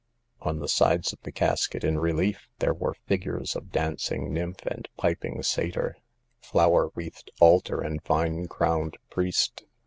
On the sides of the casket in relief there were figures of dancing nymph and piping satyr ; flower wreathed altar and vine crowned priest.